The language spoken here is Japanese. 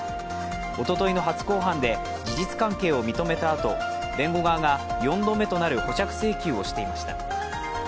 おとといの初公判で事実関係を認めたあと弁護側が４度目となる保釈請求をしていました。